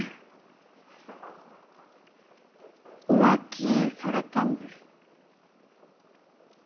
浮気されたんです。